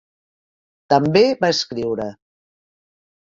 També va escriure.